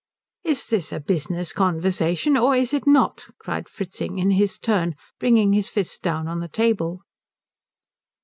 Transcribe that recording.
"Is this a business conversation or is it not?" cried Fritzing, in his turn bringing his fist down on the table.